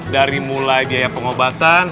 dari mulai biaya pengobatan